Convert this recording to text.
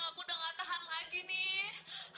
sayang aku sudah enggak tahan lagi nih